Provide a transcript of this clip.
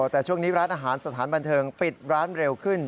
แต่ช่วงนี้ร้านอาหารสถานบันเทิงปิดร้านเร็วขึ้น